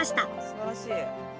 すばらしい。